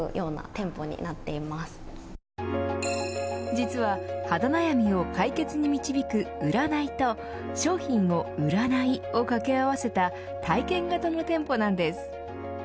実は肌悩みを解決に導く占いと商品を売らないを掛け合わせた体験型の店舗なんです。